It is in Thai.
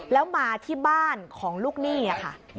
แล้วมาที่บ้านของลูกหนี้ค่ะ